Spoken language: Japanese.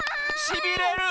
しびれる！